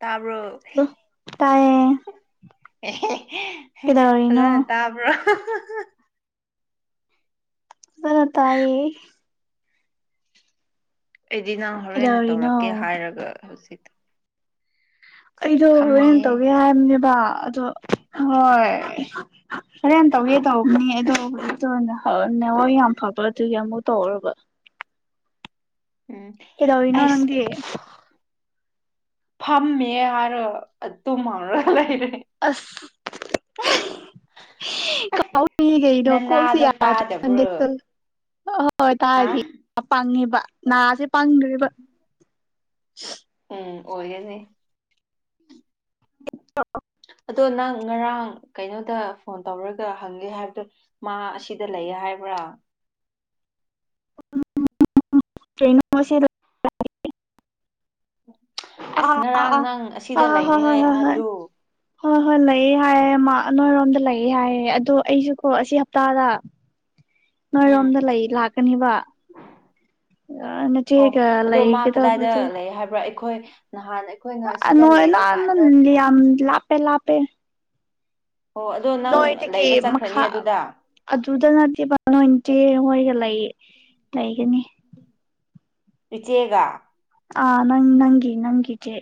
ꯇꯥꯕ꯭ꯔꯣ ꯇꯥꯏꯌꯦ ꯑꯦꯍꯦ ꯍꯦ ꯀꯩꯗꯧꯔꯤꯅꯣ ꯐꯖꯅ ꯇꯥꯕ꯭ꯔꯣ ꯑꯣ ꯍꯣꯍꯣ ꯍꯣ ꯐꯖꯥꯅ ꯇꯥꯏꯌꯦ ꯑꯩꯗꯤ ꯅꯪ ꯍꯧꯔꯦꯟꯅ ꯀꯩꯗꯧꯔꯤꯅꯣ ꯇꯧꯔꯛꯀꯦ ꯍꯥꯏꯔꯒ ꯍꯧꯖꯤꯛ ꯑꯩꯗꯣ ꯍꯣꯔꯦꯟ ꯐꯝꯃꯦ ꯇꯧꯒꯦ ꯍꯥꯏꯕꯅꯦꯕ ꯑꯗꯣ ꯍꯣꯏ ꯍꯣꯔꯦꯟ ꯇꯧꯒꯦ ꯇꯧꯕꯅꯦ ꯑꯗꯣ ꯍꯨꯖꯤꯛꯇꯣ ꯑꯣ ꯅꯦꯋꯥꯛ ꯌꯥꯝ ꯐꯕ ꯑꯗꯨꯒꯤ ꯑꯃꯨꯛ ꯇꯧꯔꯕ ꯎꯝ ꯀꯩꯗꯧꯔꯤꯅꯣ ꯑꯩꯁ ꯅꯪꯗꯤ ꯐꯝꯃꯤꯌꯦ ꯍꯥꯏꯔꯒ ꯑꯗꯨꯝ ꯍꯪꯔ ꯂꯩꯔꯦ ꯑꯁ ꯑꯩ [unintelligible] ꯀꯥꯎ ꯅꯤꯌꯦ ꯀꯩꯅꯣ ꯀꯣꯛꯁꯤ ꯅꯅꯥꯗꯣ ꯌꯥꯗ꯭ꯔ ꯀꯥꯟꯗ ꯇꯥꯗꯕ꯭ꯔꯣ ꯀꯣ ꯑꯣ ꯍꯣꯏ ꯍꯥ ꯇꯥꯔꯤ ꯄꯥꯡꯉꯦꯕ ꯅꯥꯁꯦ ꯄꯪꯒ꯭ꯔꯦꯕ ꯎꯝ ꯑꯣꯏꯌꯦꯅꯦ [inaudible] ꯑꯗꯨ ꯅꯪ ꯉꯔꯥꯡ ꯀꯩꯅꯣꯗ ꯐꯣꯟ ꯇꯧꯔꯒ ꯍꯪꯒꯦ ꯍꯥꯏꯞꯗꯣ ꯃꯥ ꯑꯁꯤꯗ ꯂꯩꯌꯦ ꯍꯥꯏꯕ꯭ꯔꯥ ꯀꯩꯅꯣ ꯁꯤ ꯂꯩ ꯑꯁ ꯑꯥ ꯉꯔꯥꯡ ꯑꯥ ꯑꯥ ꯅꯪ ꯑꯁꯤꯗ ꯑꯥ ꯍꯣꯏ ꯍꯣꯏ ꯂꯩꯅꯤꯡꯉꯥꯏ ꯍꯣꯏ ꯍꯣꯏ ꯍꯥꯏꯕꯗꯨ ꯍꯣꯏ ꯍꯣꯏ ꯂꯩꯌꯦ ꯍꯥꯏꯌꯦ ꯃꯥ ꯅꯣꯏꯔꯣꯝꯗ ꯂꯩꯌꯦ ꯍꯥꯏꯌꯦ ꯑꯗꯣ ꯑꯩꯁꯨ ꯀꯣ ꯑꯁꯤ ꯍꯞꯇꯥꯗ ꯎꯝ ꯅꯣꯏꯔꯣꯝꯗ ꯂꯩ ꯂꯥꯛꯀꯅꯤꯕ ꯑꯣ ꯅꯆꯦꯒ ꯑꯗꯣ ꯃꯥ ꯀꯗꯥꯏꯗ ꯂꯩꯒꯗꯕꯗꯨ ꯂꯩ ꯍꯥꯏꯕ꯭ꯔꯥ ꯑꯩꯈꯣꯏ ꯅꯍꯥꯟ ꯑꯩꯈꯣꯏ ꯑꯅꯣꯏꯅ ꯅꯟ ꯌꯥꯝ ꯂꯥꯄꯦ ꯂꯥꯄꯦ [unintelligible] ꯑꯣ ꯑꯗꯣ ꯅꯪ ꯅꯣꯏꯗꯒꯤ ꯂꯩꯕ ꯆꯠꯈ꯭ꯔꯅꯤ ꯃꯈꯥ ꯑꯗꯨꯗ ꯑꯗꯨꯗ ꯅꯠꯇꯦꯕ ꯅꯣꯏ ꯆꯦ ꯍꯣꯏꯒ ꯂꯩ ꯂꯩꯒꯅꯤ ꯏꯆꯦꯒ ꯑ ꯅꯪ ꯅꯪꯒꯤ ꯅꯪꯒꯤ ꯆꯦ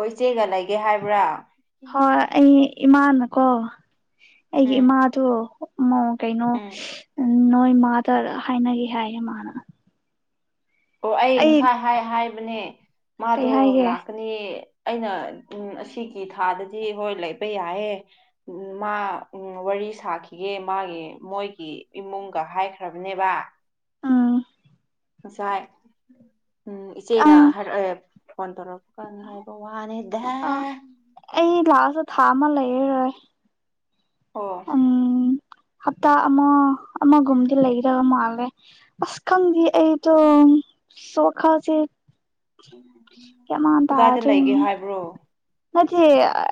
ꯍꯣꯏ ꯏꯆꯦꯒ ꯂꯩꯒꯦ ꯍꯥꯏꯕ꯭ꯔꯥ ꯍꯣꯏ ꯑꯩ ꯏꯃꯥꯅꯀꯣ ꯑꯩꯒꯤ ꯎꯝ ꯏꯃꯥꯗꯣ ꯃ ꯀꯩꯅꯣ ꯎꯝ ꯅꯣꯏ ꯃꯥꯗ ꯍꯥꯏꯅꯒꯦ ꯍꯥꯏꯌꯦ ꯃꯥꯅ ꯑꯣ ꯑꯩ ꯉꯁꯥꯏ ꯍꯥꯏ ꯍꯥꯏꯕꯅꯦ ꯀꯩ ꯃꯥꯗꯣ ꯍꯥꯏꯒꯦ ꯂꯥꯛꯀ ꯅꯤ ꯑꯩꯅ ꯑꯁꯤꯒꯤ ꯊꯥꯗꯗꯤ ꯍꯣꯏ ꯂꯩꯕ ꯌꯥꯏꯌꯦ ꯃꯥ ꯋꯥꯔꯤ ꯁꯥꯈꯤꯒꯦ ꯃꯥꯒꯤ ꯃꯣꯏꯒꯤ ꯏꯃꯨꯡꯒ ꯍꯥꯏꯈ꯭ꯔꯕꯅꯦꯕ ꯑꯥ ꯉꯁꯥꯏ ꯎꯝ ꯏꯆꯦꯅ ꯑꯥ ꯍꯥꯏꯔꯛꯑꯦ ꯐꯣꯟ ꯇꯧꯔꯛꯄ ꯀꯥꯟ ꯍꯥꯏꯕ ꯋꯥꯅꯤ ꯗꯍ ꯑꯥ [unintelligible] ꯑꯩ ꯂꯥꯑꯁꯨ ꯊꯥ ꯑꯃ ꯂꯩꯔꯔꯣꯏ ꯑꯣ ꯎꯝ ꯍꯞꯇꯥ ꯑꯃ ꯑꯃꯒꯨꯝꯗꯤ ꯂꯩꯒꯗꯕ ꯃꯥꯜꯂꯦ ꯑꯁ ꯈꯪꯗꯤ ꯑꯩꯗꯣ ꯋꯈꯜꯁꯤ ꯌꯃꯥꯟ ꯀꯗꯥꯏꯗ ꯂꯩꯒꯦ ꯇꯥꯗ꯭ꯔꯦꯅꯦ ꯍꯥꯏꯕ꯭ꯔꯣ ꯅꯠꯇꯦ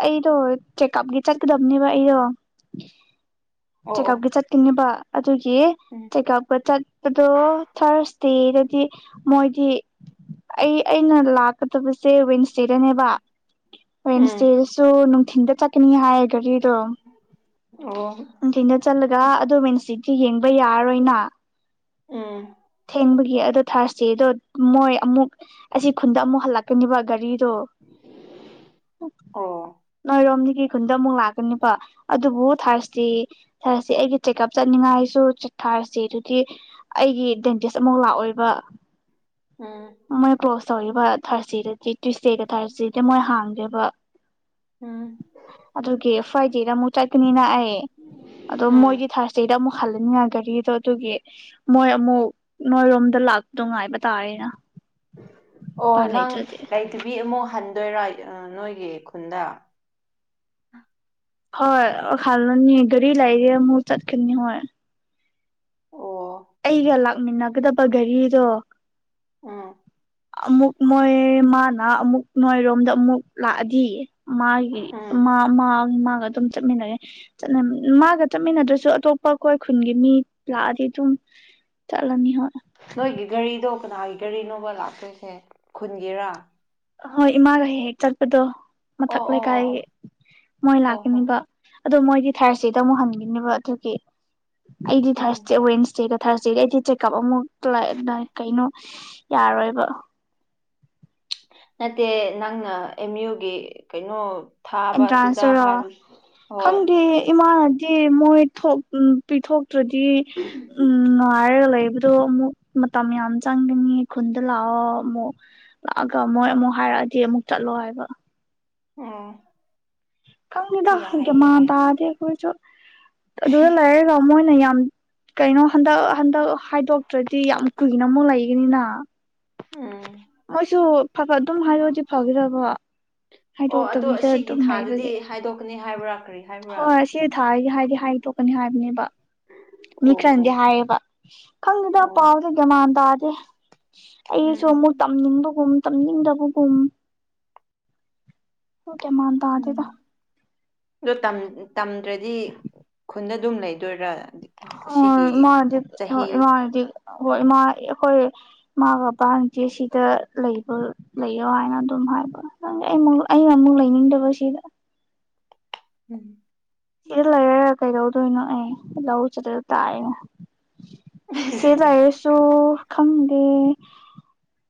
ꯑꯩꯗꯣ ꯆꯦꯛꯑꯞꯒꯤ ꯆꯠꯀꯗꯕꯅꯦꯕ ꯑꯩꯗꯣ ꯑꯣ ꯆꯦꯛꯀꯞꯀꯤ ꯑꯣ ꯆꯠꯀꯅꯤꯕ ꯑꯗꯨꯒꯤ ꯎꯝ ꯆꯦꯛꯀꯞꯀ ꯆꯠꯄꯗꯣ ꯊꯥꯔꯁꯗꯦꯗꯗꯤ ꯃꯣꯏꯗꯤ ꯑꯩ ꯑꯩꯅ ꯂꯥꯛ ꯆꯇꯕꯁꯦ ꯋꯤꯟꯁꯗꯦꯗꯅꯦꯕ ꯎꯝ ꯋꯤꯟꯁꯗꯦꯗꯁꯨ ꯅꯨꯡꯊꯤꯟꯗ ꯆꯠꯀꯅꯤ ꯍꯥꯏ ꯒꯥꯔꯤꯗꯣ ꯑꯣ ꯅꯨꯡꯗꯤꯟꯗ ꯆꯠꯂꯒ ꯑꯗꯨ ꯋꯦꯟꯅꯁꯗꯦꯗꯤ ꯌꯦꯡꯕ ꯌꯥꯔꯔꯣꯏꯅ ꯎꯝ ꯊꯦꯡꯕꯒꯤ ꯑꯗꯨ ꯊꯥꯔꯁꯗꯦꯗꯣ ꯃꯣꯏ ꯑꯃꯨꯛ ꯑꯁꯤ ꯈꯨꯟꯗ ꯑꯃꯨꯛ ꯍꯜꯂꯛꯀꯅꯤꯕ ꯒꯥꯔꯤꯗꯣ ꯑꯣ [inaudible] ꯅꯣꯏꯔꯣꯝꯗꯒꯤ ꯈꯨꯟꯗ ꯑꯃꯨꯛ ꯂꯥꯛꯀꯅꯤꯕ ꯑꯗꯨꯕꯨ ꯊꯥꯔꯁꯗꯦ ꯊꯥꯔꯁꯗꯦ ꯑꯩꯒꯤ ꯆꯦꯛꯑꯞ ꯆꯠꯅꯤꯡꯉꯥꯏꯁꯨ ꯊꯥꯔꯁꯗꯦ ꯗꯨꯗꯤ ꯑꯩꯒꯤ ꯗꯦꯟꯇꯤꯁ ꯑꯃꯨꯛ ꯂꯥꯛꯑꯣꯏꯕ ꯎꯝ ꯃꯣꯏ ꯄ꯭ꯔꯣꯁ ꯇꯧꯔꯤꯕ ꯊꯥꯔꯁꯗꯦꯗꯗꯤ ꯇ꯭ꯋꯨꯁꯗꯦꯒ ꯊꯥꯔꯁꯗꯦꯗꯤ ꯃꯣꯏ ꯍꯥꯡꯗꯦꯕ ꯎꯝ ꯑꯗꯨꯒꯤ ꯐꯔꯥꯏꯗꯦꯗ ꯃꯨꯛ ꯆꯠꯀꯅꯤꯅ ꯑꯩ ꯑꯗꯣ ꯎꯝ ꯃꯣꯏꯒꯤ ꯊꯔꯁꯗꯦꯗ ꯃꯨꯛ ꯈꯜꯂꯅꯤꯉꯥꯏ ꯒꯥꯔꯤꯗꯣ ꯑꯗꯨꯒꯤ ꯃꯣꯏ ꯑꯃꯨꯛ ꯅꯣꯏꯔꯣꯝꯗ ꯂꯥꯛꯄꯗꯣ ꯉꯥꯏꯕ ꯇꯥꯔꯦꯅ ꯑꯣ ꯎꯄꯥꯏ ꯅꯪ ꯂꯩꯇ꯭ꯔꯗꯤ ꯂꯩꯇꯕꯤ ꯑꯃꯨꯛ ꯍꯟꯗꯣꯏꯔ ꯑꯥ ꯅꯣꯏꯒꯤ ꯈꯨꯟꯗ ꯍꯣꯏ ꯍꯜꯂꯅꯤ ꯒꯥꯔꯤ ꯂꯥꯏꯔꯦ ꯑꯃꯨꯛ ꯆꯠꯀꯅꯤ ꯍꯣꯏ ꯑꯣ ꯑꯩꯒ ꯂꯥꯛꯃꯤꯟꯅꯒꯗꯕ ꯒꯔꯤꯗꯣ ꯎꯝ ꯑꯃꯨꯛ ꯃꯣꯏ ꯃꯥꯅ ꯑꯃꯨꯛ ꯅꯣꯏꯔꯣꯝꯗ ꯑꯃꯨꯛ ꯂꯥꯛꯑꯗꯤ ꯃꯥꯒꯤ ꯃꯥ ꯎꯝ ꯃꯥ ꯃꯥꯒ ꯑꯗꯨꯝ ꯆꯠꯃꯤꯟꯅꯔꯦ ꯆꯠꯅꯝ ꯃꯥꯒ ꯆꯠꯃꯤꯟꯅꯗ꯭ꯔꯁꯨ ꯑꯇꯣꯞ ꯄꯥ ꯈꯣꯏ ꯈꯨꯟꯒꯤ ꯃꯤ ꯂꯥꯛꯑꯗꯤ ꯑꯗꯨꯝ ꯆꯠꯂꯅꯤ ꯍꯣꯏ ꯅꯣꯏꯒꯤ ꯒꯥꯔꯤꯗꯣ ꯀꯅꯥꯒꯤ ꯒꯥꯔꯤꯅꯣꯕ ꯂꯥꯛꯇꯣꯏꯁꯦ ꯈꯨꯟꯒꯤꯔꯥ ꯑꯍꯣꯏ ꯏꯃꯥꯒ ꯍꯦꯛ ꯍꯦꯛ ꯆꯠꯄꯗꯣ ꯑꯣ ꯃꯊꯛ ꯑꯣ ꯑꯣ ꯂꯩꯀꯥꯏꯒꯤ ꯃꯣꯏ ꯑꯣ ꯑꯣ ꯍꯣ ꯂꯥꯛꯀꯅꯤꯕ ꯑꯗꯣ ꯃꯣꯏꯗꯤ ꯊ꯭ꯔꯁꯗꯦꯗ ꯑꯃꯨꯛ ꯍꯟꯈꯤꯅꯤꯕ ꯑꯗꯨꯒꯤ ꯑꯩꯗꯤ ꯎꯝ ꯊ꯭ꯔꯁꯗꯦ ꯋꯦꯟꯅꯁꯗꯦꯒ ꯊꯔ꯭ꯁꯗꯦꯒ ꯑꯩꯗꯤ ꯀꯞ ꯑꯃꯨꯛ ꯂꯥꯛ ꯀꯩꯅꯣ ꯌꯥꯔꯣꯏꯕ ꯅꯠꯇꯦ ꯅꯪꯅ ꯑꯦꯝ ꯌꯨꯒꯤ ꯀꯩꯅꯣ ꯊꯥꯕ ꯑꯦꯟꯇ꯭ꯔꯥꯟꯁ ꯑꯗꯨꯗ ꯇꯨꯔꯣ ꯍꯥꯏꯕ ꯍꯣꯏ ꯈꯪꯗꯦ ꯏꯃꯥꯅ ꯆꯦ ꯃꯣꯏ ꯊꯣꯛ ꯄꯤꯊꯣꯛꯇ꯭ꯔꯗꯤ ꯎꯝ ꯉꯥꯏꯔꯒ ꯂꯩꯕ ꯗꯣ ꯑꯃꯨꯛ ꯃꯇꯝ ꯌꯥꯝ ꯆꯪꯒꯅꯤ ꯈꯨꯟꯗ ꯂꯥꯛꯑꯣ ꯑꯃꯨꯛ ꯂꯥꯛꯑꯒ ꯃꯣꯏ ꯑꯃꯨꯛ ꯍꯥꯏꯔꯛꯑꯗꯤ ꯑꯃꯨꯛ ꯆꯠꯂꯣ ꯍꯥꯏꯕ ꯎꯝ ꯈꯪꯗꯦꯗ ꯌꯥꯏ ꯒꯌꯥꯃꯥꯟ ꯌꯥꯏ ꯇꯥꯗꯦ ꯑꯈꯣꯏꯁꯨ ꯑꯗꯨꯗ ꯂꯩꯔꯒ ꯃꯣꯏꯅ ꯌꯥꯝ ꯀꯩꯅꯣ ꯍꯟꯗꯛ ꯍꯟꯗꯛ ꯍꯥꯏꯗꯣꯛꯇ꯭ꯔꯗꯤ ꯌꯥꯝ ꯀꯨꯏꯅ ꯑꯃꯨꯛ ꯂꯩꯒꯅꯤꯅ ꯎꯝ ꯃꯣꯏꯁꯨ ꯐꯠ ꯐꯠ ꯑꯗꯨꯝ ꯍꯥꯏꯗꯣꯛꯑꯗꯤ ꯐꯒꯗꯕ ꯑꯣ ꯑꯗꯣ ꯍꯥꯏꯗꯣꯛꯇꯕꯤꯗ ꯑꯁꯤꯒꯤ ꯑꯗꯨꯝ ꯊꯥꯗꯗꯤ ꯂꯩꯕꯒꯤ ꯍꯥꯏꯗꯣꯛꯀꯅꯤ ꯍꯥꯏꯕꯔꯥ ꯀ꯭ꯔꯤ ꯍꯥꯏꯕꯔꯥ ꯍꯣꯏ ꯁꯤ ꯊꯥꯁꯤꯗꯤ ꯍꯥꯏꯗꯤ ꯍꯥꯏꯗꯣꯛꯀꯅꯤ ꯍꯥꯏꯕꯅꯦꯕ ꯃꯤ ꯑꯣ ꯈꯔꯅꯗꯤ ꯑꯣ ꯍꯥꯏꯌꯦꯕ ꯈꯪꯗꯦꯗ ꯑꯣ ꯄꯥꯎꯁꯦ ꯒ꯭ꯟꯃꯥꯟ ꯇꯥꯗꯦ ꯑꯩꯁꯨ ꯑꯃꯨꯛ ꯎꯝ ꯇꯝꯅꯤꯡꯕꯒꯨꯝ ꯇꯝꯅꯤꯡꯗꯕꯒꯨꯝ [unintelligible] ꯎꯝ ꯗꯣ ꯇꯝ ꯇꯝꯗ꯭ꯔꯗꯤ ꯈꯨꯟꯗ ꯑꯗꯨꯝ ꯂꯩꯗꯣꯏꯔ ꯍꯣꯏ ꯏꯃꯥꯅꯗꯤ ꯍꯣꯏ ꯏꯃꯥꯅꯗꯤ ꯍꯣꯏ ꯏꯃꯥ ꯑꯈꯣꯏ ꯃꯥꯒꯥ ꯄꯥꯟꯁꯦ ꯁꯤꯗ ꯂꯩꯕ ꯂꯩꯌꯣ ꯍꯥꯏꯅ ꯑꯗꯨꯝ ꯍꯥꯏꯕ ꯑꯩ ꯑꯃꯨꯛ ꯑꯩ ꯑꯃꯨꯛ ꯂꯩꯅꯤꯡꯗꯕꯁꯤꯗ ꯎꯝ ꯁꯤꯗ ꯂꯩꯔꯥ ꯀꯩꯗꯧꯗꯣꯏꯅꯣ ꯑꯩ ꯂꯧ ꯆꯠꯇꯔꯥ ꯇꯥꯏꯌꯦ ꯁꯤ ꯂꯩꯔꯁꯨ ꯈꯪꯗꯦ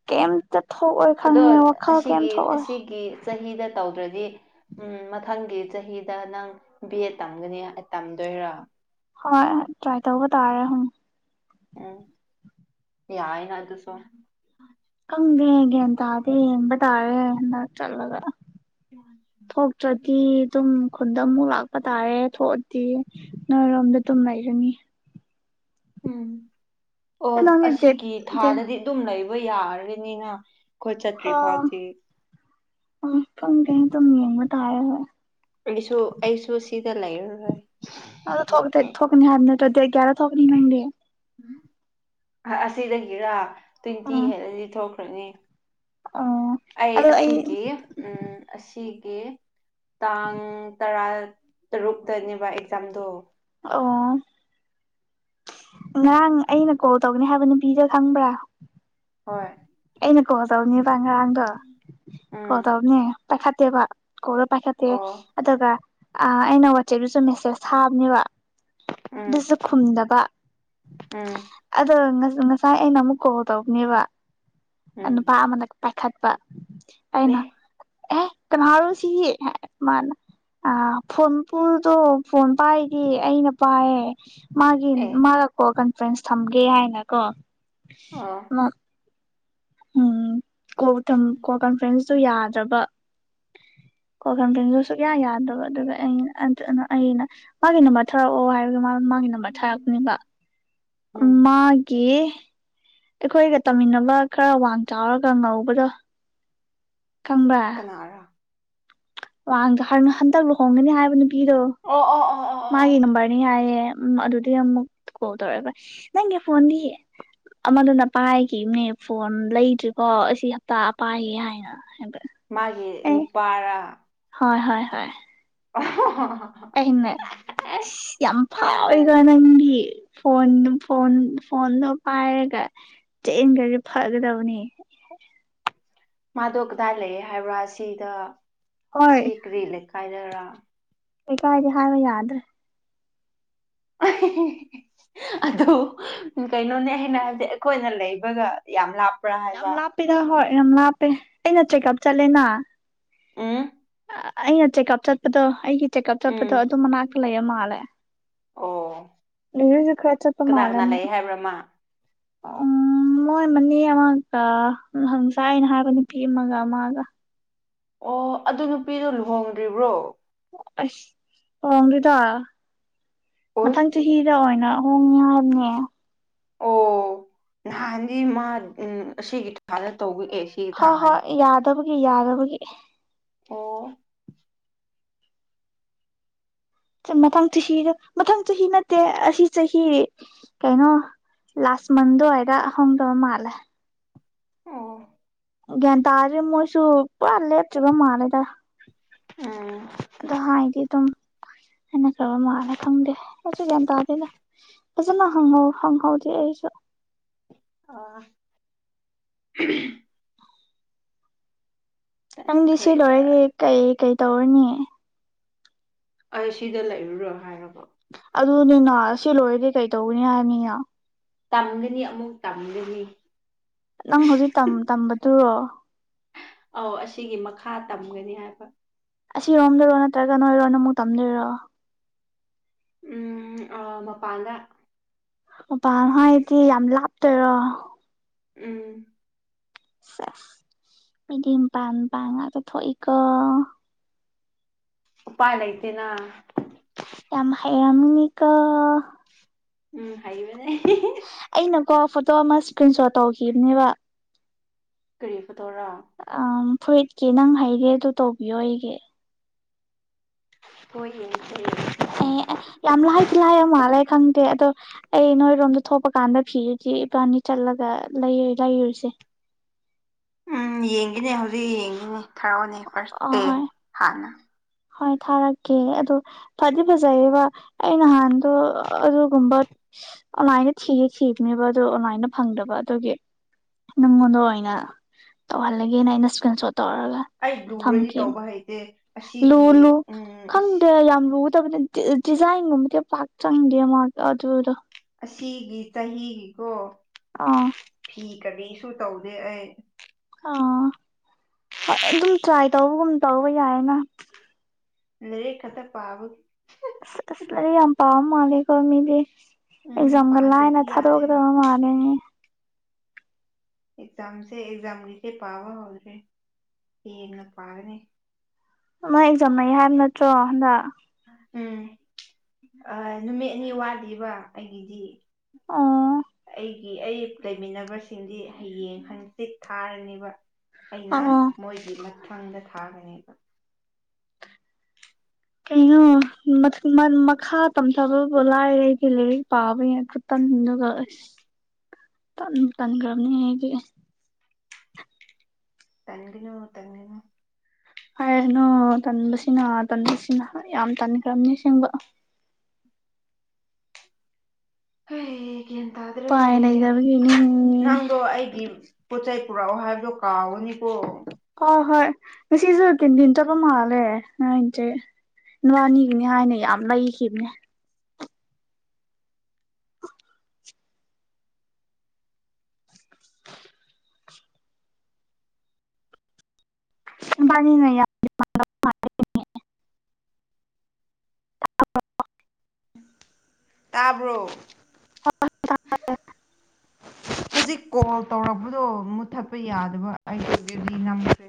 ꯀꯩꯝꯇ ꯊꯣꯛꯑꯣꯏ ꯑꯗꯣ ꯈꯪꯉꯦ ꯋꯥꯈꯜ ꯀꯩꯝ ꯑꯁꯤꯒꯤ ꯊꯣꯛꯑꯣꯏ ꯑꯁꯤꯒꯤ ꯆꯍꯤꯗ ꯇꯧꯗ꯭ꯔꯗꯤ ꯎꯝ ꯃꯊꯪꯒꯤ ꯆꯍꯤꯗ ꯅꯪ ꯕꯤ ꯑꯦꯗ ꯇꯝꯒꯅꯤ ꯇꯝꯗꯣꯏꯔꯥ ꯍꯣꯏ ꯇ꯭ꯔꯥꯏ ꯇꯧꯕ ꯇꯥꯔꯦ ꯍꯝ ꯎꯝ ꯌꯥꯏꯅ ꯑꯗꯨꯁꯨ ꯈꯪꯗꯦ ꯒꯌꯥꯟ ꯇꯥꯗꯦ ꯌꯦꯡꯕ ꯇꯥꯔꯦ ꯍꯟꯗꯛ ꯆꯠꯂꯒ ꯋꯥꯠꯂꯤꯌꯦ [unintelligible] ꯊꯣꯛꯇ꯭ꯔꯗꯤ ꯑꯗꯨꯝ ꯈꯨꯟꯗ ꯑꯃꯨꯛ ꯂꯥꯛꯄ ꯇꯥꯔꯦ ꯊꯣꯛꯑꯗꯤ ꯅꯣꯏꯔꯣꯝꯗ ꯗꯨꯝ ꯂꯩꯔꯅꯤ ꯎꯝ ꯑꯣ ꯅꯪꯒꯤ ꯗꯦꯠ ꯑꯁꯤꯒꯤ ꯗꯦꯠ ꯊꯥꯗꯗꯤ ꯑꯗꯨꯝ ꯂꯩꯕ ꯌꯥꯔꯅꯤꯅ ꯈꯣꯏ ꯆꯠꯇ꯭ꯔꯤ ꯑꯥ ꯐꯥꯎꯗꯤ ꯎꯝ ꯈꯪꯗꯦ ꯑꯗꯨꯝ ꯌꯦꯡꯕ ꯇꯥꯔꯦ ꯍꯣꯏ ꯑꯩꯁꯨ ꯑꯩꯁꯨ ꯁꯤꯗ ꯂꯩꯔꯔꯣꯏ ꯑꯗꯣ ꯊꯣꯛꯇꯤ ꯊꯣꯛꯀꯅꯤ ꯍꯥꯏꯕ ꯅꯠꯇꯔꯥ ꯗꯦꯠ ꯀꯌꯥꯗ ꯊꯣꯛꯒꯅꯤ ꯅꯪꯗꯤ ꯑꯁꯤꯗꯒꯤꯔꯥ ꯇ꯭ꯋꯦꯟꯇꯤ ꯑꯥ ꯍꯦꯜꯂꯗꯤ ꯊꯣꯛꯈ꯭ꯔꯅꯤ ꯑꯣ ꯑꯩ ꯑꯁꯤꯒꯤ ꯎꯝ ꯑꯁꯤꯒꯤ ꯇꯥꯡ ꯇꯔꯥ ꯇꯔꯨꯛꯇꯅꯦꯕ ꯑꯦꯛꯖꯥꯝꯗꯣ ꯑꯣ ꯉꯔꯥꯡ ꯑꯩꯅ ꯀꯣꯜ ꯇꯧꯒꯅꯤ ꯍꯥꯏꯕ ꯅꯨꯄꯤꯗ ꯈꯪꯕ꯭ꯔꯥ ꯍꯣꯏ ꯑꯩꯅ ꯀꯣꯜ ꯇꯧꯅꯤꯕ ꯉꯔꯥꯡꯗꯣ ꯀꯣꯜ ꯎꯝ ꯇꯧꯕꯅꯦ ꯄꯥꯏꯈꯠꯇꯦꯕ ꯀꯣꯜꯗ ꯄꯥꯏꯈꯠꯇꯦ ꯑꯣ ꯑꯗꯨꯒ ꯑꯩꯅ ꯋꯥꯆꯦꯞꯇꯁꯨ ꯃꯦꯁꯦꯁ ꯊꯥꯕꯅꯦꯕ ꯎꯝ ꯑꯗꯨꯁꯨ ꯈꯨꯝꯗꯕ ꯎꯝ ꯑꯗꯣ ꯉꯁꯥꯏ ꯑꯩꯅ ꯑꯃꯨꯛ ꯀꯣꯜ ꯇꯧꯅꯦꯕ ꯎꯝ ꯅꯨꯄꯥ ꯑꯃꯅ ꯄꯥꯏꯈꯠꯄ ꯑꯦ ꯑꯩꯅ ꯑꯦ ꯀꯅꯥꯔꯣ ꯁꯤ ꯃꯥꯅ ꯑ ꯐꯣꯟ ꯄꯨꯗꯣ ꯐꯣꯟ ꯄꯥꯏꯗꯤ ꯑꯩꯅ ꯄꯥꯏꯌꯦ ꯃꯥꯒꯤ ꯑꯦ ꯃꯥꯒ ꯀꯣꯜ ꯀꯟꯐꯔꯦꯟꯁ ꯊꯝꯒꯦ ꯍꯥꯏꯅ ꯀꯣ ꯑꯣ ꯎꯝ ꯀꯣꯜ ꯀꯣꯜ ꯀꯟꯐ꯭ꯔꯦꯟꯁꯇꯨ ꯌꯥꯗ꯭ꯔꯕ ꯀꯣꯜ ꯀꯟꯐ꯭ꯔꯦꯟꯁꯨ ꯁꯨꯛꯌꯥ ꯌꯥꯗꯕ ꯑꯗꯨꯒ ꯑꯩꯅ ꯑꯗꯨ ꯑꯩꯅ ꯃꯥꯒꯤ ꯅꯝꯕꯔ ꯊꯥꯔꯛꯑꯣ ꯍꯥꯏꯕꯒꯤ ꯃꯥ ꯃꯥꯒꯤ ꯅꯝꯕꯔ ꯊꯥꯔꯛꯄꯅꯦꯕ ꯎꯝ ꯃꯥꯒꯤ ꯑꯩꯈꯣꯏꯒ ꯇꯝꯃꯤꯟꯅꯕ ꯈꯔ ꯋꯥ ꯆꯥꯎꯔꯒ ꯉꯧꯕꯗꯣ ꯈꯪꯕ꯭ꯔꯥ ꯀꯅꯥꯔꯥ ꯋꯥꯒ ꯍꯔꯅ ꯍꯟꯗꯛ ꯂꯨꯍꯣꯡꯒꯅꯤ ꯍꯥꯏꯕ ꯅꯨꯄꯤꯗꯣ ꯑꯣ ꯑꯣ ꯑꯣ ꯑꯣ ꯑꯣ ꯑꯣ ꯃꯥꯒꯤ ꯅꯝꯕꯔꯅꯤ ꯍꯥꯏꯑꯦ ꯑꯗꯨꯗꯤ ꯑꯃꯨꯛ ꯀꯣꯜ ꯇꯧꯔꯒ ꯅꯪꯒꯤ ꯐꯣꯟꯗꯤ ꯑꯃꯗꯨꯅ ꯄꯥꯏꯈꯤꯕꯅꯦ ꯐꯣꯟ ꯂꯩꯗ꯭ꯔꯤꯀꯣ ꯑꯁꯤ ꯍꯞꯇꯥ ꯄꯥꯏꯒꯦ ꯍꯥꯏꯅ ꯍꯕ꯭ꯔ [unintelligible] ꯃꯥꯒꯤ ꯅꯨꯄꯥꯔꯥ ꯍꯣꯏ ꯍꯣꯏ ꯍꯣꯏ ꯍ ꯍ [unintelligible] ꯑꯩꯅ ꯌꯥꯝ ꯐꯥꯎꯋꯤꯏꯒ ꯅꯪꯗꯤ ꯐꯣꯟ ꯐꯣꯟ ꯐꯣꯟꯗꯣ ꯄꯥꯏꯔꯒ ꯆꯟꯒ꯭ꯔꯗꯤ ꯐꯒꯗꯕꯅꯤ ꯃꯥꯗꯣ ꯀꯗꯥꯏ ꯂꯩꯌꯦ ꯍꯥꯏꯕ꯭ꯔꯥ ꯁꯤꯗ ꯍꯣꯏ ꯑꯁꯤ ꯀꯔꯤꯔꯤꯠ ꯂꯩꯀꯥꯏꯗꯔꯥ ꯂꯩꯀꯥꯏꯗꯤ ꯍꯥꯏꯕ ꯌꯥꯗ꯭ꯔꯦ ꯑ [unintelligible] ꯑꯗꯨ ꯀꯩꯅꯣꯅꯦ ꯑꯩꯅ ꯍꯥꯏꯕꯗꯤ ꯑꯩꯈꯣꯏꯅ ꯂꯩꯕꯒ ꯌꯥꯝ ꯂꯥꯞꯄ ꯌꯥꯝ ꯂꯥꯞꯄꯦꯗ ꯍꯣꯏ ꯌꯥꯝ ꯂꯥꯞꯄꯦ ꯑꯩꯅ ꯆꯦꯛꯀꯞ ꯆꯠꯂꯦꯅ ꯑꯨꯝ ꯑꯩꯅ ꯆꯦꯛꯀꯞ ꯆꯠꯄꯗꯣ ꯑꯩꯒꯤ ꯆꯦꯀꯞ ꯎꯝ ꯆꯠꯄꯗꯣ ꯑꯗꯨꯝ ꯃꯅꯥꯛꯇ ꯂꯩꯔ ꯃꯥꯜꯂꯦ ꯑꯣ ꯂꯩꯥꯔꯒ ꯆꯠꯄꯥ ꯀꯅꯥ ꯃꯂꯦ ꯀꯅꯥ ꯑꯃꯨꯛ ꯂꯩ ꯍꯥꯏꯕ꯭ꯔꯥ ꯃꯥ ꯎꯝ ꯃꯣꯏ ꯃꯅꯦ ꯑꯃꯒ ꯍꯪꯁꯥꯏ ꯑꯩꯅ ꯍꯥꯏꯕ ꯅꯨꯄꯤ ꯑꯃꯒ ꯃꯥꯒ ꯑꯣ ꯑꯗꯨ ꯅꯨꯄꯤꯗꯨꯣ ꯂꯨꯍꯣꯡꯗ꯭ꯔꯤꯕ꯭ꯔꯣ ꯑꯁ ꯑꯣ ꯍꯣꯡꯗꯔꯤꯗꯥ ꯑꯣꯏ ꯃꯊꯪꯆ ꯆꯍꯤꯗ ꯑꯣꯏꯅ ꯍꯣꯡꯅꯤ ꯍꯥꯏꯅꯦ ꯑꯣ ꯅꯍꯥꯟꯗꯤ ꯃꯥ ꯎ ꯑꯁꯤꯒꯤ ꯊꯥꯗ ꯇꯧꯕꯑꯦꯁ ꯍꯣꯏ ꯍꯣꯏ ꯌꯥꯗꯕꯒꯤ ꯌꯥꯗꯕꯒꯤ ꯑꯣ ꯆꯝ ꯃꯊꯪ ꯆꯍꯤꯗ ꯃꯊꯪ ꯆꯍꯤ ꯅꯠꯇꯦ ꯑꯁꯤ ꯆꯍꯤ ꯀꯩꯅꯣ ꯂꯥꯁ ꯃꯟꯗꯋꯥꯏꯗ ꯍꯣꯡꯗꯧꯕ ꯃꯥꯜꯂꯦ ꯑꯣ ꯒ꯭ꯌꯥꯟ ꯇꯥꯗ꯭ꯔꯦ ꯃꯣꯏꯁꯨ ꯄꯂꯦꯞ ꯆꯨꯕ ꯃꯥꯂꯦꯗ ꯎꯝ ꯑꯗꯨ ꯍꯥꯢꯗꯦ ꯗꯨꯝ ꯑꯅ ꯈ꯭ꯔꯕ ꯃꯥꯜꯂꯦ ꯈꯪꯗꯦ ꯑꯩꯁꯨ ꯒꯌꯥꯟ ꯇꯗꯦꯗ ꯐꯖꯅꯪꯍꯧ ꯍꯪꯍꯧꯗꯦ ꯑꯩꯁꯨ ꯑ [unintelligible] ꯅꯪꯗꯤ ꯁꯤ ꯈ꯭ꯔꯦꯗ ꯂꯣꯏꯔꯦ ꯀꯩ ꯀꯩ ꯇꯧꯔꯅꯤ ꯑꯩ ꯁꯤꯗ ꯂꯩꯔꯨꯔꯣ ꯍꯥꯏꯔꯕ ꯑꯗꯨꯅꯤꯅ ꯁꯤ ꯂꯣꯏꯔꯗꯤ ꯀꯩ ꯇꯧꯅꯤ ꯍꯥꯏꯅꯤꯉ ꯇꯝꯒꯅꯤ ꯑꯃꯨꯛ ꯇꯝꯒꯅꯤ ꯅꯪ ꯍꯧꯖꯤꯛ ꯇꯝ ꯇꯝꯕꯗꯨ ꯑꯧ ꯑꯁꯤꯒꯤ ꯃꯈꯥ ꯇꯝꯒꯅꯤ ꯍꯥꯏꯕ ꯑꯁꯤꯔꯣꯝꯗꯔꯣ ꯅꯠꯇ꯭ꯔꯒ ꯅꯣꯏꯔꯣꯅ ꯑꯃꯨꯛ ꯇꯝꯗꯣꯏꯔꯣ ꯎꯝ ꯑ ꯃꯄꯥꯟꯗ ꯑꯣꯄꯥ ꯍꯥꯕꯗꯤ ꯌꯥꯝ ꯂꯥꯞꯇꯣꯢꯔꯣ ꯎꯝ ꯁꯦꯁ ꯃꯤꯗꯤ ꯃꯄꯥꯟ ꯄꯥꯡ ꯉꯥꯛꯇ ꯊꯣꯛꯏꯀꯣ ꯎꯄꯥꯥꯏ ꯂꯩꯇꯦꯅ ꯌꯥꯝ ꯍꯩꯔꯝꯅꯤꯀꯣ ꯎꯝ ꯍꯩꯕꯅꯦ ꯑꯩꯅꯀꯣ ꯐꯣꯇꯣ ꯑꯃ ꯏꯁꯀ꯭ꯔꯤꯟ ꯁꯣꯠ ꯇꯧꯈꯤꯕꯅꯦꯕ ꯀꯔꯤ ꯐꯣꯇꯣꯔꯥ ꯑ ꯐꯨꯔꯤꯠꯀꯤ ꯅꯪ ꯍꯩꯒꯦ ꯑꯗꯨ ꯇꯧꯕꯤꯌꯣ ꯑꯩꯒꯤ ꯍꯣꯢ [unintelligible] ꯑꯩ ꯑꯦ ꯌꯥꯝ ꯂꯥꯏꯗꯤ ꯂꯥꯏꯕ ꯃꯥꯜꯂꯦ ꯈꯪꯗꯦ ꯑꯗꯣ ꯑꯩ ꯅꯣꯏꯔꯣꯝꯗ ꯊꯣꯛꯄ ꯀꯥꯟꯗ ꯐꯤꯗꯨꯗꯤ ꯏꯕꯥꯅꯤ ꯆꯠꯂꯒ ꯂꯩ ꯂꯩꯔꯨꯁꯦ ꯎꯝ ꯌꯦꯡꯒꯦꯅꯦ ꯍꯧꯖꯤꯛ ꯌꯦꯡꯒꯦꯅꯦ ꯊꯥꯔꯛꯑꯣꯅꯦ ꯐꯥꯔꯁ ꯗꯦ ꯑꯍꯣꯏ ꯍꯥꯟꯅ ꯍꯣꯏ ꯊꯥꯔꯛꯀꯦ ꯑꯗꯣ ꯐꯗꯤ ꯐꯖꯩꯌꯦꯕ ꯑꯩ ꯅꯍꯥꯟꯗꯣ ꯑꯗꯨꯒꯨꯝꯕꯠ ꯑꯣꯟꯂꯥꯏꯟꯗ ꯊꯤꯗꯤ ꯊꯤꯕꯅꯦꯕ ꯑꯗꯨ ꯑꯣꯟꯂꯥꯏꯟꯗ ꯐꯪꯗꯕ ꯑꯗꯨꯒꯤ ꯅꯪꯉꯣꯟꯗ ꯑꯣꯏꯅ ꯇꯧꯍꯜꯂꯒꯦꯅ ꯑꯩꯅ ꯏꯁꯀ꯭ꯔꯤꯟ ꯁꯣꯠ ꯇꯧꯔꯒ ꯑꯩ ꯗꯨꯔꯗꯤ ꯊꯝꯈꯤꯕꯅꯦ ꯇꯧꯕ ꯍꯩꯇꯦ ꯂꯨ ꯑꯁꯤꯒꯤ ꯂꯨ ꯎꯝ ꯑꯁ ꯈꯪꯗꯦ ꯌꯥꯝ ꯂꯨꯠ ꯇꯕꯗꯤ ꯗꯤ ꯗꯤꯖꯥꯏꯟꯒꯨꯝꯕꯗꯤ ꯄꯥꯛ ꯆꯪꯗꯦ ꯃꯥ ꯑꯗꯨꯗꯣ ꯑꯁꯤꯒꯤ ꯆꯍꯤꯒꯤꯀꯣ [unintelligible] ꯐꯤ ꯀꯕꯤꯁꯨ ꯇꯧꯗꯦ ꯑꯩ ꯑꯥ ꯍꯣꯏ ꯑꯗꯨꯝ ꯇ꯭ꯔꯥꯏ ꯇꯧꯕꯒꯨꯝ ꯇꯧꯕ ꯌꯥꯏꯅ ꯂꯩꯔꯤꯛ ꯈꯠꯇ ꯄꯥꯕ ꯑꯁ ꯑꯁ ꯂꯥꯢꯔꯤꯛ ꯌꯥꯝ ꯄꯥꯕ ꯃꯥꯜꯂꯦꯀꯣ ꯃꯤꯗꯤ ꯎꯝ ꯑꯦꯛꯖꯥꯝꯒ ꯂꯥꯏꯅ ꯄꯥꯗ꯭ꯔꯗꯤ ꯌꯥꯗꯦꯕ ꯊꯥꯗꯣꯛꯀꯗꯕ ꯃꯥꯜꯂꯦ ꯅꯦ ꯑꯦꯛꯖꯥꯝꯁꯦ ꯑꯦꯛꯖꯥꯝꯒꯤꯗꯤ ꯄꯥꯕ ꯍꯧꯗ꯭ꯔꯤ ꯍꯌꯦꯡꯅ ꯄꯥꯒꯅꯤ ꯃꯥꯢ ꯑꯦꯛꯖꯥꯝ ꯃꯩ ꯍꯥꯏꯕ ꯅꯠꯇ꯭ꯔꯣ ꯍꯟꯗꯛ ꯎꯝ ꯑ ꯅꯨꯃꯤꯠꯅꯤ ꯋꯥꯠꯂꯤꯕ ꯑꯩꯒꯤꯗꯤ ꯑꯣ ꯑꯩꯒꯤ ꯑꯩꯞ ꯂꯩꯃꯤꯟꯅꯕꯁꯤꯡꯗꯤ ꯍꯩꯌꯦꯡ ꯍꯪꯆꯤꯠ ꯊꯥꯔꯅꯤꯕ ꯑꯩꯅ ꯑꯣ ꯃꯣꯏꯒꯤ ꯃꯊꯪꯗ ꯊꯥꯒꯅꯦꯕ ꯀꯩꯅꯣ [unintelligible] ꯃꯈꯥ ꯇꯝ ꯊꯥꯕꯜꯕꯨ ꯂꯥꯏꯔꯦ ꯑꯩꯒꯤ ꯂꯔꯤꯛ ꯄꯥꯕ ꯌꯥ ꯈꯨꯇꯟꯗꯨꯒ ꯑꯁ ꯇꯟꯕꯨ ꯇꯟꯒ꯭ꯔꯝꯅꯤ ꯑꯩꯗꯤ ꯇꯟꯒꯅꯨ ꯇꯟꯒꯅꯨ ꯍꯥꯏꯔꯅꯣ ꯇꯟꯕꯁꯤꯅ ꯇꯟꯕꯁꯤꯅ ꯌꯥꯝ ꯇꯟꯈ꯭ꯔꯝꯅꯤ ꯑꯁꯦꯡꯕ ꯍꯩ ꯒ꯭ꯌꯟ ꯇꯥꯗ꯭ꯔꯦ ꯎꯄꯥꯏ ꯂꯩꯇꯕꯒꯤꯅꯤ ꯅꯪꯗꯣ ꯑꯩꯒꯤꯝ ꯄꯣꯠ ꯆꯩ ꯄꯨꯔꯑꯣ ꯍꯥꯏꯕꯗꯣ ꯀꯥꯎꯒꯅꯤꯀꯣ ꯍꯣꯏ ꯍꯣꯏ ꯉꯁꯤꯖꯨ ꯀꯤꯟꯗꯤꯟ ꯆꯠꯄ ꯃꯥꯜꯂꯦ ꯅꯣꯏ ꯆꯦ ꯅꯨꯋꯥꯅꯤꯒꯤꯅꯤ ꯍꯥꯏꯅ ꯌꯥꯝ ꯂꯩꯈꯤꯕꯅꯦ [unintelligible] ꯕꯥꯅꯤꯅ ꯌꯥꯝ [unintelligible] ꯇꯥꯕ꯭ꯔꯣ ꯍꯧꯖꯤꯛ ꯀꯣꯜ ꯇꯧꯔꯞ ꯕꯗꯣ ꯃꯨꯠꯊꯠꯄ ꯌꯥꯗꯕ ꯑꯩꯒꯤ [unintelligible] ꯅꯝꯕꯁꯦ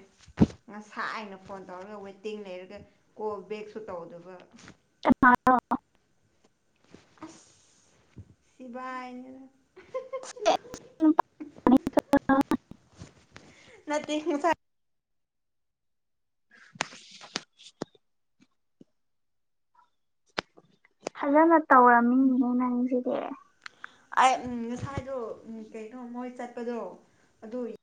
ꯉꯁꯥꯏꯅ ꯐꯣꯟ ꯇꯧꯔꯒ ꯋꯦꯇꯤꯡ ꯂꯩꯔꯒ ꯀꯣꯜ ꯕꯦꯛꯁꯨ ꯇꯧꯗꯕ [unintelligible] ꯑꯁ ꯁꯤꯕꯥꯏꯅꯦꯗ ꯅꯠꯇꯦ ꯉꯁꯥꯢ [unintelligible] ꯐꯖꯅ ꯇꯧꯔꯝꯃꯤꯅꯦꯍꯦ ꯅꯪꯖꯤꯗꯤ ꯑꯩ ꯎꯝ ꯉꯁꯥꯏꯗꯣ ꯎꯝ ꯀꯩꯅꯣ ꯃꯣꯏ ꯆꯠꯄꯗꯣ ꯑꯗꯨꯢ